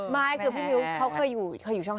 ไม่คือพี่มิ้วเขาเคยอยู่ช่อง๓